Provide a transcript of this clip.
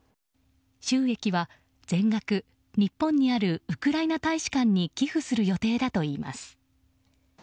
収益は、全額日本にあるウクライナ大使館に寄付する予定だといいます。